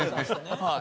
はい。